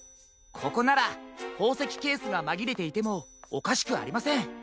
ここならほうせきケースがまぎれていてもおかしくありません。